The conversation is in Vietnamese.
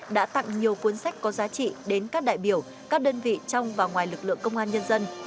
đã tặng nhiều cuốn sách có giá trị đến các đại biểu các đơn vị trong và ngoài lực lượng công an nhân dân